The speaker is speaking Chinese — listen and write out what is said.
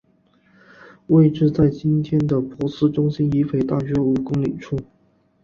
位置在今天的珀斯中心以北大约五公里处。